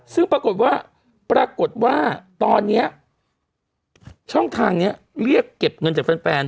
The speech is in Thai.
ซึ่งปรากฏว่าปรากฏว่าตอนนี้ช่องทางนี้เรียกเก็บเงินจากแฟน